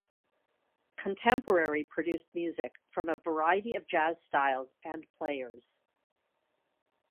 Contemporary produced music from a variety of jazz styles and players.